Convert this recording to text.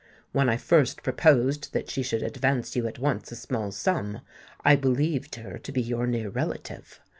When I first proposed that she should advance you at once a small sum, I believed her to be your near relative.